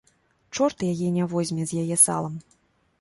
Чорт яе не возьме з яе салам.